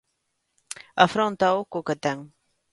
Afróntao co que ten.